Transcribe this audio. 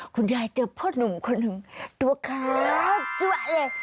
คุณยายเจอพ่อหนุ่มคนนึงตัวขาดตัวเลย